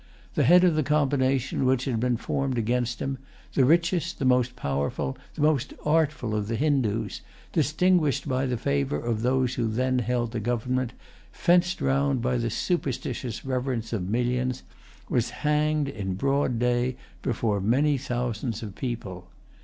The head of the combination which had been formed against him, the richest, the most powerful, the most artful of the Hindoos, distinguished by the favor of those who then held the government, fenced round by the superstitious reverence of millions, was hanged in broad day before many thousands of people.